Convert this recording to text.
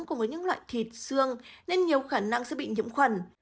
cùng với những loại thịt xương nên nhiều khả năng sẽ bị nhiễm khuẩn